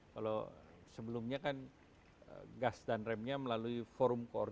kalau sebelumnya kan gas dan remnya melalui form